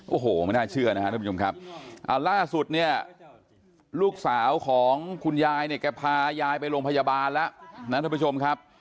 โอ้โหไม่น่าเชื่อนะครับทุกผู้ชมครับล่าสุดเนี่ยลูกสาวของคุณยายเนี่ยแกพายายไปโรงพยาบาลแล้วนะท่านผู้ชมครับ